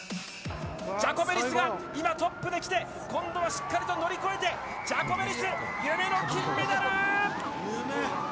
ジャコベリスが今トップできて、今度はしっかりと乗り越えて、ジャコベリス、夢の金メダル！